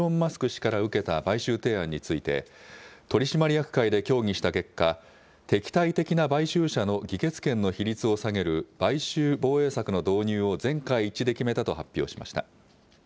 氏から受けた買収提案について取締役会で協議した結果、敵対的な買収者の議決権の比率を下げる買収防衛策の導入を全会一致で決めたと発表しました。